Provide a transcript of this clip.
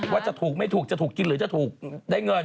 ว่าจะถูกไม่ถูกจะถูกกินหรือจะถูกได้เงิน